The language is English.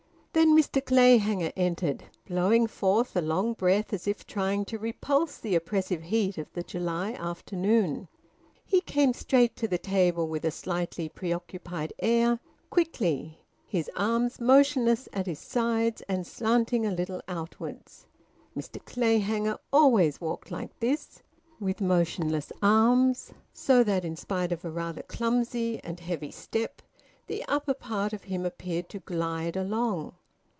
Then Mr Clayhanger entered, blowing forth a long breath as if trying to repulse the oppressive heat of the July afternoon. He came straight to the table, with a slightly preoccupied air, quickly, his arms motionless at his sides, and slanting a little outwards. Mr Clayhanger always walked like this, with motionless arms so that in spite of a rather clumsy and heavy step, the upper part of him appeared to glide along.